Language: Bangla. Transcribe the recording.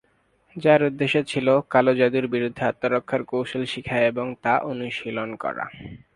যার উদ্দেশ্য ছিল, কালো জাদুর বিরুদ্ধে আত্মরক্ষার কৌশল শিখা এবং তা অনুশীলন করা।